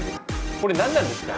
これ何なんですか？